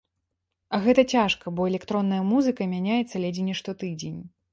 А гэта цяжка, бо электронная музыка мяняецца ледзь не штотыдзень.